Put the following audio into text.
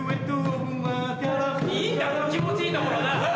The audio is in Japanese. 気持ちいいところなぁ！